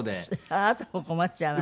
あなたも困っちゃうわね。